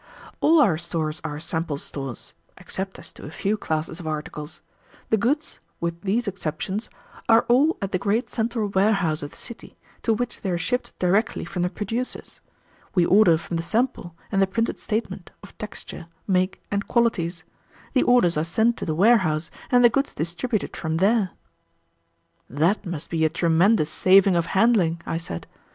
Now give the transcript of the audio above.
"All our stores are sample stores, except as to a few classes of articles. The goods, with these exceptions, are all at the great central warehouse of the city, to which they are shipped directly from the producers. We order from the sample and the printed statement of texture, make, and qualities. The orders are sent to the warehouse, and the goods distributed from there." "That must be a tremendous saving of handling," I said.